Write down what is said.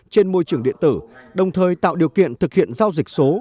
trên môi trường điện tử đồng thời tạo điều kiện thực hiện giao dịch số